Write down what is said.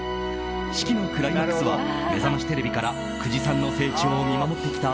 式のクライマックスは「めざましテレビ」から久慈さんの成長を見守ってきた